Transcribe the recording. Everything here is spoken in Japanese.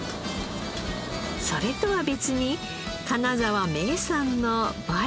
それとは別に金沢名産のバイ貝を切り。